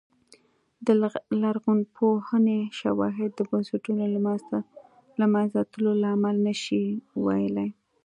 د لرغونپوهنې شواهد د بنسټونو له منځه تلو لامل نه شي ویلای